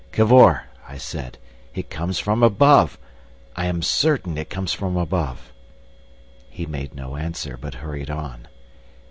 "Cavor," I said, "it comes from above! I am certain it comes from above!" He made no answer, but hurried on.